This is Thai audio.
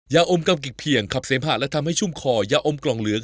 ยาอมกำกิกเพียงขับเสมหะและทำให้ชุ่มคอยาอมกล่องเหลือง